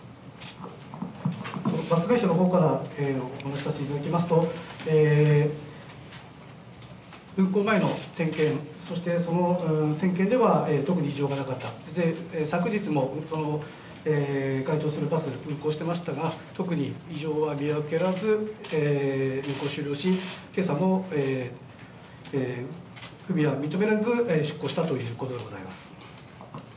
バス会社のほうからお話させていただきますと、運行前の点検、そして、その点検では特に異常がなかった、昨日も該当するバス、運行してましたが、特に異常は見受けられず、運行を終了し、けさも不備は認められず、出庫したということでございます。